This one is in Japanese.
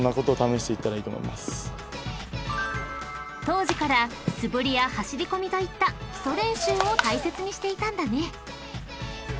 ［当時から素振りや走り込みといった基礎練習を大切にしていたんだね］